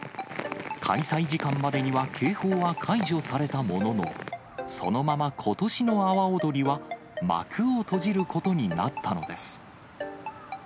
開催時間までには警報は解除されたものの、そのままことしの阿波踊りは幕を閉じることになったのです。